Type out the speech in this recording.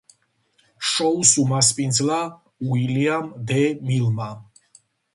შოუს უმასპინძლა უილიამ დე მილმა.